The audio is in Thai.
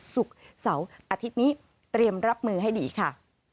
ศุกร์เสาร์อาทิตย์นี้เตรียมรับมือให้ดีค่ะ